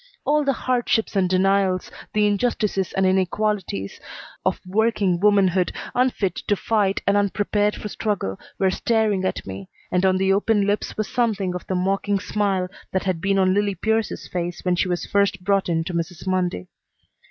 All the hardships and denials, the injustices and inequalities, of working womanhood, unfit to fight and unprepared for struggle, were staring at me, and on the open lips was something of the mocking smile that had been on Lillie Pierce's face when she was first brought in to Mrs. Mundy.